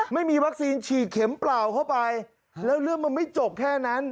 ไม่มีวัคซีนฉีดเข็มเปล่าเข้าไปแล้วเรื่องมันไม่จบแค่นั้น